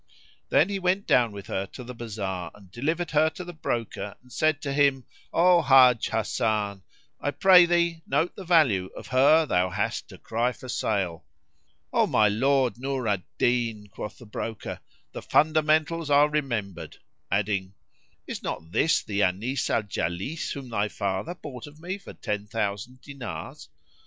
Then he went down with her to the bazar and delivered her to the broker and said to him, "O Hájj Hasan,[FN#29] I pray thee note the value of her thou hast to cry for sale." "O my lord Nur al Din," quoth the broker, "the fundamentals are remembered;"[FN#30] adding, "Is not this the Anis al Jalis whom thy father bought of me for ten thousand dinars?"